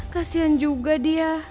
kasian juga dia